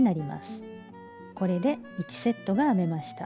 これで１セットが編めました。